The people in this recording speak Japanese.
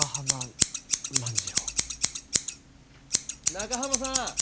中濱さん！